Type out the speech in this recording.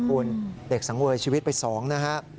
คุณเด็กสังเวยชีวิตไป๒นะฮะ